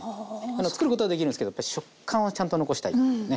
つくることはできるんですけどやっぱ食感をちゃんと残したいね。